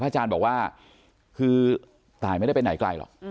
อาจารย์บอกว่าคือตายไม่ได้ไปไหนไกลหรอก